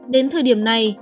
đến thời điểm này